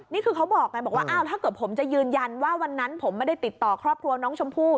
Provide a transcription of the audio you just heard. เขาบอกไงบอกว่าอ้าวถ้าเกิดผมจะยืนยันว่าวันนั้นผมไม่ได้ติดต่อครอบครัวน้องชมพู่